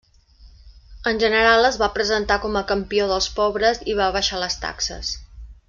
En general es va presentar com a campió dels pobres i va abaixar les taxes.